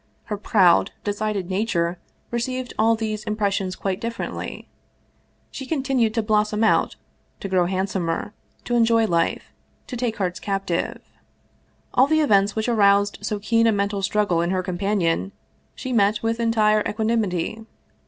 Her proud, decided nature received all these im pressions quite differently. She continued to blossom out, to grow handsomer, to enjoy life, to take hearts captive. All the events which aroused so keen a mental struggle in her companion she met with entire equanimity.